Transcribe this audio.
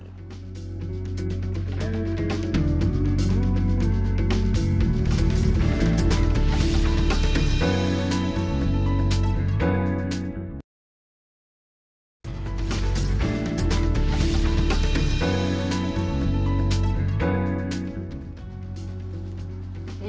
insight akan segera kembali